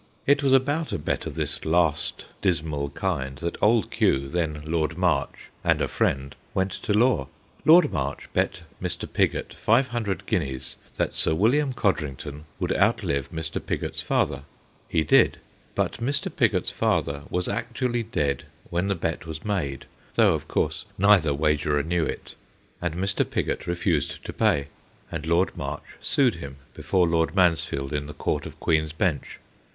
It was about a bet of this last dismal kind that Old Q., then Lord March, and a friend went to law. Lord March bet Mr. Pigot five hundred guineas that Sir William Codrington would outlive Mr. Pigot's father. He did ; but Mr. Pigot's father was actually dead when the bet was made, though, of course, neither wagerer knew it ; and Mr. Pigot refused to pay, and Lord March sued him before Lord Mansfield A SHOCKING SCENE 63 in the Court of Queen's Bench.